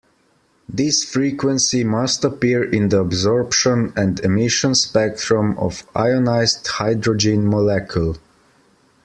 This frequency must appear in the absorption and emission spectrum of ionized hydrogen molecule.